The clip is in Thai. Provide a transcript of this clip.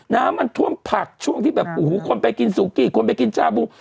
น้ำมันท่วมผักช่วงที่แบบโอ้โหคนไปกินสุกี้คนไปกินชาบู